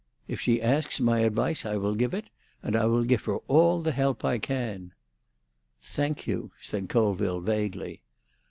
If she asks my advice I will give it, and I will give her all the help I can." "Thank you," said Colville vaguely.